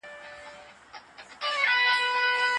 قانون باید پر ټولو خلکو یو شان پلی شي.